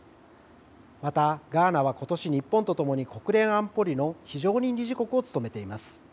また、ガーナはことし、日本とともに国連安保理の非常任理事国を務めています。